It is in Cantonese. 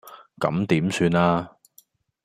咁點算呀